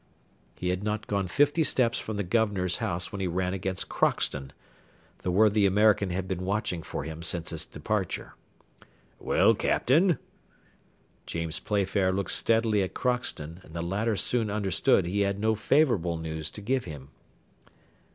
He had not gone fifty steps from the governor's house when he ran against Crockston. The worthy American had been watching for him since his departure. "Well, Captain?" James Playfair looked steadily at Crockston, and the latter soon understood he had no favourable news to give him.